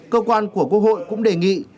cơ quan của quốc hội cũng đề nghị